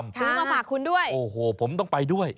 ซื้อมาฝากคุณด้วยโอ้โหผมต้องไปด้วย